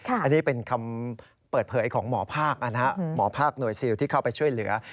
อันนี้เป็นคำเปิดเผยของหมอภาคหมอภาคหน่วยซิลที่เข้าไปช่วยเหลือ